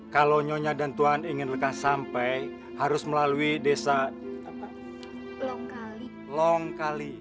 kalau nyonya dan tuan ingin merekam sampai harus melalui desa apa